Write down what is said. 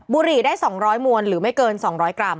บุหรี่ได้๒๐๐มวลหรือไม่เกิน๒๐๐กรัม